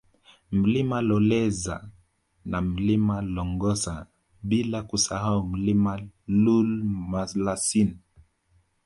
Mlima Loleza na Mlima Longosa bila kusahau mlima Loolmalasin